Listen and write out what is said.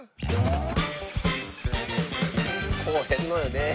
来おへんのよね。